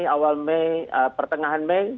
awal mei pertengahan mei